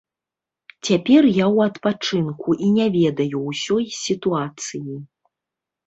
Цяпер я ў адпачынку і не ведаю ўсёй сітуацыі.